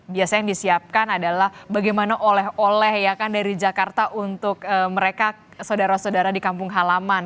biasanya yang disiapkan adalah bagaimana oleh oleh ya kan dari jakarta untuk mereka saudara saudara di kampung halaman